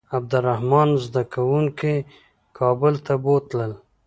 عبدالرحمن زده کوونکي کابل ته بوتلل.